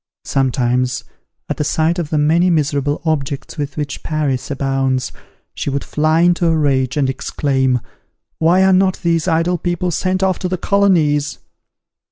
Sometimes, at the sight of the many miserable objects with which Paris abounds, she would fly into a rage, and exclaim, "Why are not these idle people sent off to the colonies?"